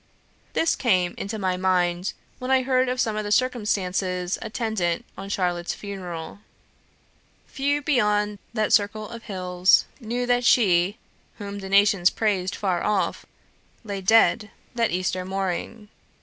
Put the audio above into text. This came into my mind when I heard of some of the circumstances attendant on Charlotte's funeral. Few beyond that circle of hills knew that she, whom the nations praised far off, lay dead that Easter mooring.